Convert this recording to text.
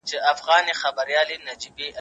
چاپیریال د ژوند لپاره مهم دی.